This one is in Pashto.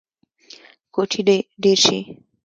کوچي ډیر شي